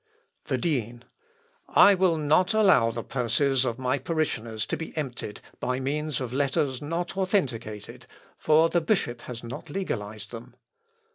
The Dean. "I will not allow the purses of my parishioners to be emptied by means of letters not authenticated, for the bishop has not legalised them."